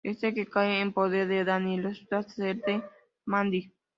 Este, que cae en poder de Danny resulta ser de Mandy.